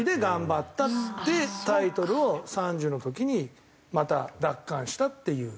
タイトルを３０の時にまた奪還したっていう。